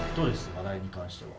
笑いに関しては。